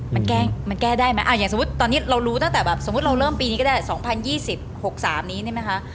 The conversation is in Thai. มันแก้มันแก้ได้ไหมอย่างสมมุติตอนนี้เรารู้ตั้งแต่แบบสมมุติเราเริ่มปีนี้ก็ได้๒๐๒๐๖๓นี้ใช่ไหมคะ